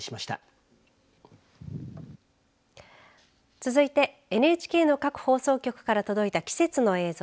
続いてＮＨＫの各放送局から続いた季節の映像